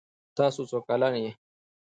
تاسو څو کلن یې؟